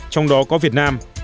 trong đó có việt nam